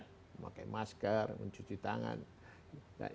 memakai masker mencuci tangan